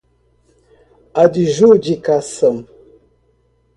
adjudicação